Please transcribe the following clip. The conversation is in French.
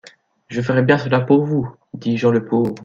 «Je ferai bien cela pour vous,» dit Jean le Pauvre.